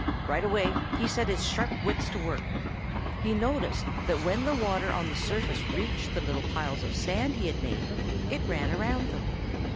Right away he set his sharp wits to work. He noticed that when the water on the surface reached the little piles of sand he had made, it ran around them.